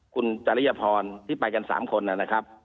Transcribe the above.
คุณจริยพรที่ไปกัน๓คนนะครับ